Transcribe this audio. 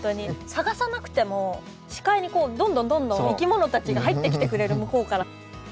探さなくても視界にどんどんどんどんいきものたちが入ってきてくれる向こうから。